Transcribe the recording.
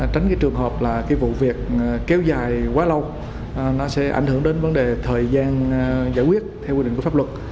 tránh cái trường hợp là cái vụ việc kéo dài quá lâu nó sẽ ảnh hưởng đến vấn đề thời gian giải quyết theo quy định của pháp luật